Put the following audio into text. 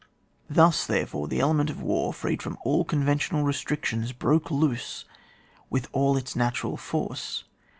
Thus, therefore, the element of war, freed from all conventional restrictions, broke loose, with all its natural force.